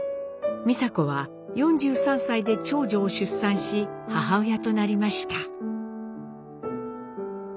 美佐子は４３歳で長女を出産し母親となりました。